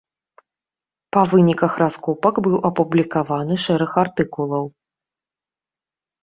Па выніках раскопак быў апублікаваны шэраг артыкулаў.